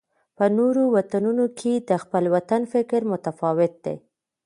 په نورو وطنونو کې د خپل وطن فکر متفاوت دی.